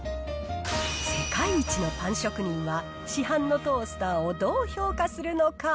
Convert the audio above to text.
世界一のパン職人は、市販のトースターをどう評価するのか。